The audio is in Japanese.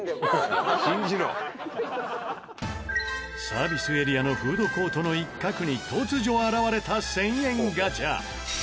サービスエリアのフードコートの一角に突如現れた１０００円ガチャ。